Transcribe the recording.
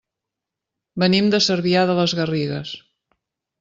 Venim de Cervià de les Garrigues.